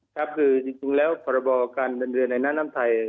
ครับคือจริงแล้วปรบการบรรเวลาในน้ำไทย